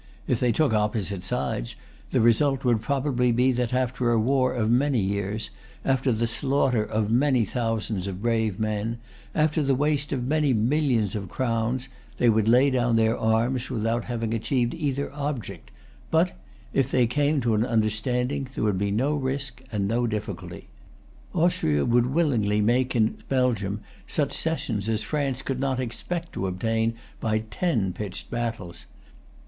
If they took opposite sides, the result would probably be that, after a war of many years, after the slaughter of many thousands of brave men, after the waste of many millions of crowns, they would lay down their arms without having achieved either object; but, if they came to an understanding, there would be no risk and no difficulty. Austria would willingly make in Belgium such cessions as France could not expect to obtain by ten pitched battles.